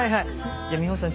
じゃ美穂さん